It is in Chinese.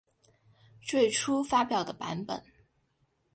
最初发表的版本。